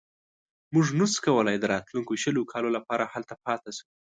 موږ نه شو کولای د راتلونکو شلو کالو لپاره هلته پاتې شو.